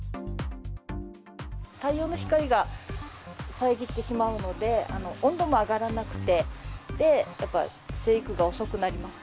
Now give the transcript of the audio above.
太陽の光が、遮ってしまうので、温度も上がらなくて、やっぱ、生育が遅くなります。